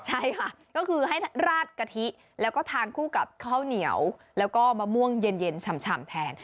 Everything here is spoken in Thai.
ใช่ค่ะก็คือให้ราดกะทิแล้วก็ทานคู่กับข้าวเหนียวแล้วก็มะม่วงเย็นฉ่ำแทน